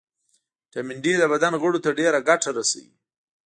ويټامین ډي د بدن غړو ته ډېره ګټه رسوي